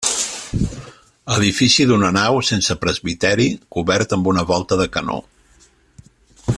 Edifici d’una nau, sense presbiteri, cobert amb una volta de canó.